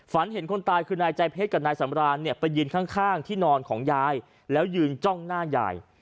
เห็นคนตายคือนายใจเพชรกับนายสำรานเนี่ยไปยืนข้างที่นอนของยายแล้วยืนจ้องหน้ายาย